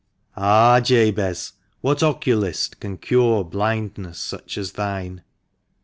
(Ah, Jabez ! what oculist can cure blindness such as thine